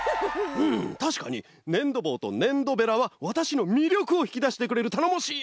たしかにねんどぼうとねんどベラはわたしのみりょくをひきだしてくれるたのもしいなかまだよ。